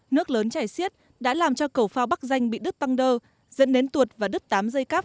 nước lớn chảy xiết đã làm cho cầu phao bắc danh bị đứt băng đơ dẫn đến tuột và đứt tám dây cáp